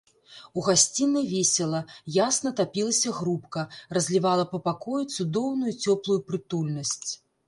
У гасцінай весела, ясна тапілася грубка, разлівала па пакоі цудоўную цёплую прытульнасць.